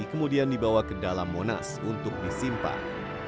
kemudian dibawa ke dalam monas untuk disimpan